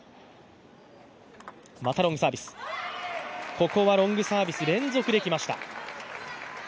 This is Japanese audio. ここはロングサービス、連続できました。